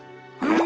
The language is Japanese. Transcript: え。